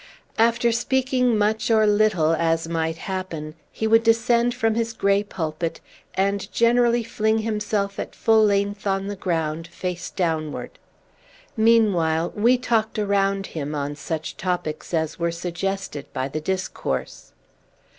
After speaking much or little, as might happen, he would descend from his gray pulpit, and generally fling himself at full length on the ground, face downward. Meanwhile, we talked around him on such topics as were suggested by the discourse.